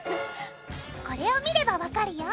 これを見ればわかるよ！